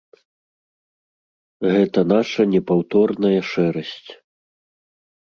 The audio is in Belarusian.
Гэта наша непаўторная шэрасць.